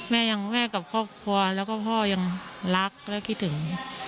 ยังแม่กับครอบครัวแล้วก็พ่อยังรักและคิดถึง